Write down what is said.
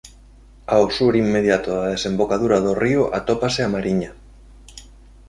Ao sur inmediato da desembocadura do río atópase a mariña.